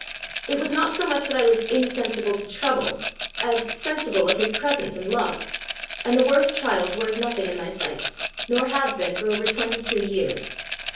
It was not so much that I was insensible to trouble, as sensible of His presence and love; and the worst trials were as nothing in my sight, nor have been for over twenty two years.